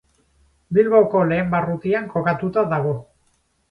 Bilboko lehen barrutian kokatuta dago.